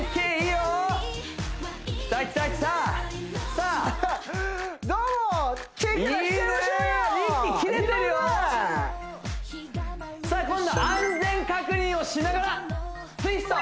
さあ今度安全確認をしながらツイスト！